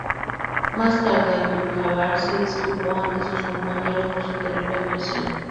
Más tarde, Abdul-Jabbar se disculpó ante sus compañeros por su terrible actuación.